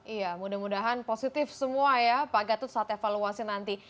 iya mudah mudahan positif semua ya pak gatot saat evaluasi nanti